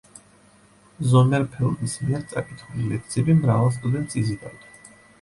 ზომერფელდის მიერ წაკითხული ლექციები მრავალ სტუდენტს იზიდავდა.